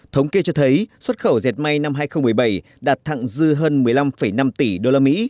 thống kê cho thấy xuất khẩu dệt may năm hai nghìn một mươi bảy đạt thẳng dư hơn một mươi năm năm tỷ usd